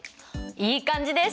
いい感じです！